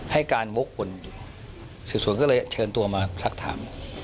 ให้การโมกคนสุดก็เลยเชิญตัวมาศักดิ์ถาม